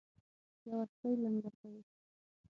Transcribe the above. یوه سپۍ لنګه شوې.